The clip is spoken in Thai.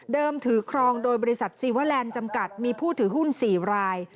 ถือครองโดยบริษัทซีเวอร์แลนด์จำกัดมีผู้ถือหุ้น๔ราย